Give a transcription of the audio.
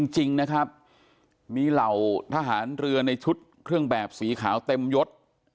จริงนะครับมีเหล่าทหารเรือในชุดเครื่องแบบสีขาวเต็มยศ